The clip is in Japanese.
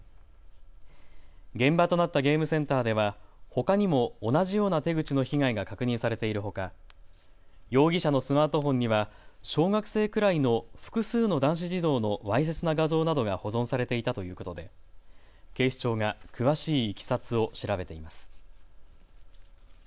現場となったゲームセンターではほかにも同じような手口の被害が確認されているほか容疑者のスマートフォンには小学生くらいの複数の男子児童のわいせつな画像などが保存されていたということで警視庁が詳しいいきさつを調べています。